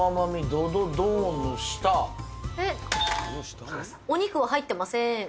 ドドドお肉は入ってません。